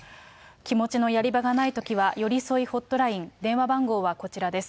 気持ちのやり場がないときは、よりそいホットライン、電話番号はこちらです。